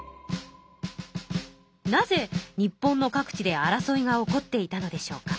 なぜ日本の各地で争いが起こっていたのでしょうか？